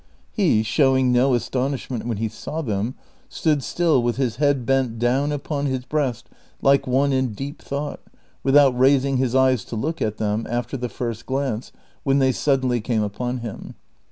He, showing no astonishment Avhen he saw them, stood still with his head bent down upon his breast like one in deep thought, without raising his eyes to look at them after the first glance when they suddenly came upon him.